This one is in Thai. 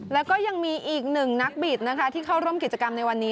แล้วก็ยังมีอีกหนึ่งนักบิดนะคะที่เข้าร่วมกิจกรรมในวันนี้